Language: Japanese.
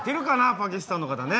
パキスタンの方ね。